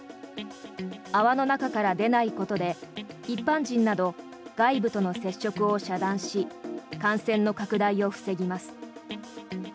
泡の中から出ないことで一般人など外部との接触を遮断し感染の拡大を防ぎます。